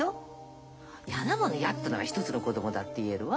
嫌なもの嫌って言うのは一つの子供だって言えるわ。